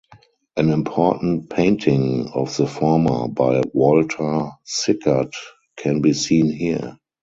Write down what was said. An important painting of the former by Walter Sickert can be seen here.